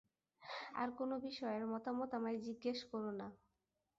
আর কোন বিষয়ের মতামত আমায় জিজ্ঞেস কর না।